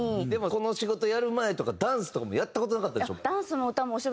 この仕事やる前とかダンスとかもやった事なかったでしょ？